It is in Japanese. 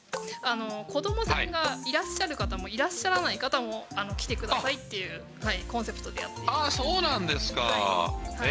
子どもさんがいらっしゃる方もいらっしゃらない方も来てくださいっていうコンセプトでやってそうなんですか。